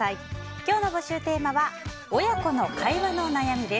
今日の募集テーマは親子の会話の悩みです。